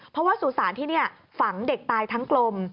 เพราะว่าสุสานที่นี่ฝังเด็กตายทั้งกลม